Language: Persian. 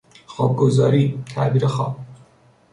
خوابگزاری، تعبیر خواب